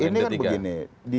ini kan begini